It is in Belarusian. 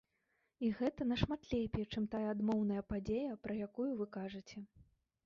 І гэта нашмат лепей, чым тая адмоўная падзея, пра якую вы кажаце.